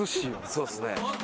そうっすね。